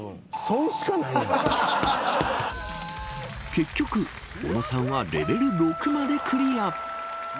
結局、小野さんはレベル６までクリア。